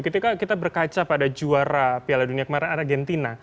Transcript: ketika kita berkaca pada juara piala dunia kemarin argentina